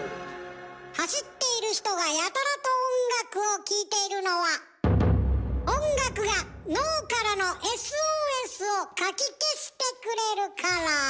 走っている人がやたらと音楽を聴いているのは音楽が脳からのＳＯＳをかき消してくれるから。